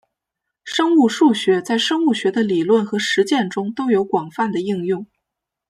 生物数学在生物学的理论和实践中都有广泛的应用。